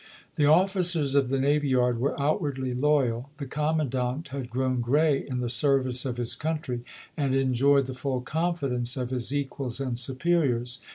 The officers of the navy yard were outwardly loyal ; the commandant had grown gray in the ser vice of his country, and enjoyed the full confidence of his equals and superiors.